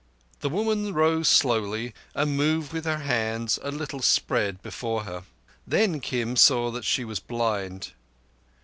The woman rose slowly and moved with her hands a little spread before her. Then Kim saw that she was blind.